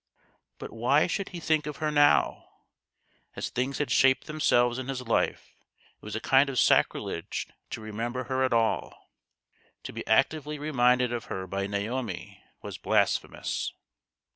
But why should he think of her now ? As things had shaped themselves in his life it was a kind of sacrilege to remember her at all. To be actively reminded of her by Naomi was blasphemous.